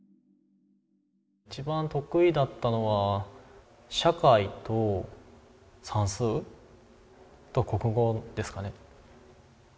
一番得意だったのは社会と算数と国語ですかね。